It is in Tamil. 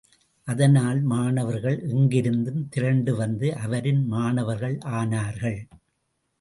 அதனால், மாணவர்கள் எங்கிருத்தும் திரண்டு வந்து அவரின் மாணவர்கள் ஆனார்கள்.